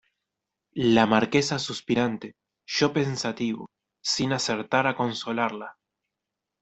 la Marquesa suspirante, yo pensativo , sin acertar a consolarla.